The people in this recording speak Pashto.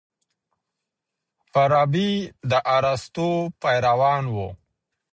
فارابي د ارسطو پیروان و.